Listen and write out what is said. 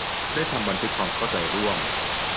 ได้ทำบันทึกความเข้าใจร่วม